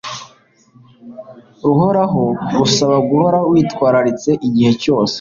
ruhoraho rusaba guhora witwariritse igihe cyose